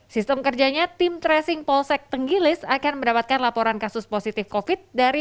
sistem kerjanya tim tracing polsek tenggilis akan mendapatkan laporan kasus positif covid dari